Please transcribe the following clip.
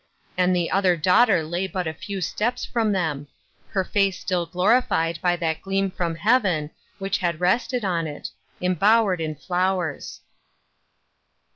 And the other daughter lay but a few steps from them — her face still glorified by that gleam from heaven, which had rested on it — embowered in flowers.